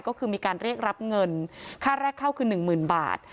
ก็คือมีการเรียกรับเงินค่าแรกเข้าคือหนึ่งหมื่นบาท